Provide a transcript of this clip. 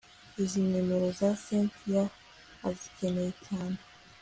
izi nimero za cyntia azikeneye cyane